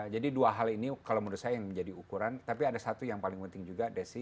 jadi dua hal ini kalau menurut saya yang menjadi ukuran tapi ada satu yang paling penting juga desi